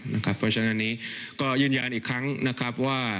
เพราะฉะนั้นอันนี้ก็ยืนยันอีกครั้งนะครับว่า